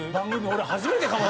俺初めてかも。